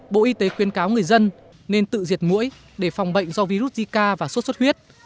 bộ y tế khuyên cáo người dân nên tự diệt mũi để phòng bệnh do virus zika và suốt suốt huyết